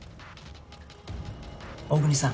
大國さん。